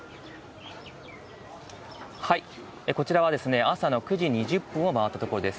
こちらは朝の９時２０分を回ったところです。